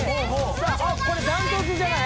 さああっこれ断トツじゃない？